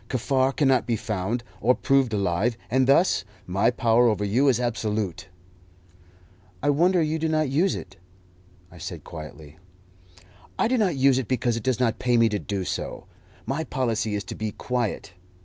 Kaffar cannot be found, or proved alive, and thus my power over you is absolute." "I wonder you do not use it," I said quietly. "I do not use it because it does not pay me to do so. My policy is to be quiet.